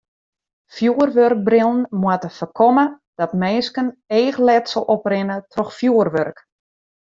Fjoerwurkbrillen moatte foarkomme dat minsken eachletsel oprinne troch fjoerwurk.